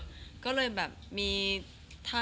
จะรักเธอเพียงคนเดียว